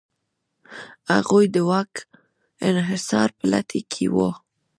هغوی د واک انحصار په لټه کې و.